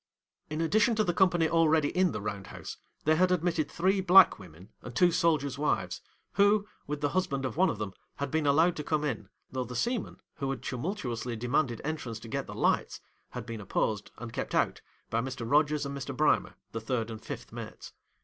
'In addition to the company already in the round house, they had admitted three black women and two soldiers' wives; who, with the husband of one of them, had been allowed to come in, though the seamen, who had tumultuously demanded entrance to get the lights, had been opposed and kept out by Mr. Rogers and Mr. Brimer, the third and fifth mates.